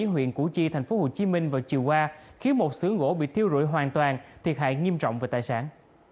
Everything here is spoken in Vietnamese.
huyện củ chi tp hcm vào chiều qua khiến một sưởng gỗ bị thiêu rụi hoàn toàn thiệt hại nghiêm trọng về tài sản